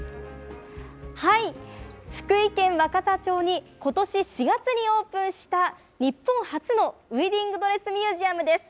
福井県若狭町に、ことし４月にオープンした日本初のウエディングドレスミュージアムです。